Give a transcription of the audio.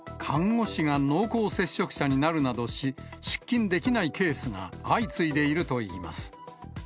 看護師が濃厚接触者になるなどし、出勤できないケースが相次いでいるといいます。